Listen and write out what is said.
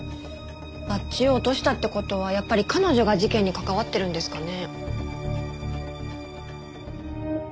バッジを落としたって事はやっぱり彼女が事件に関わってるんですかね？